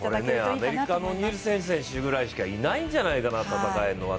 アメリカのニルセン選手しかいないんじゃないかな、戦えるの。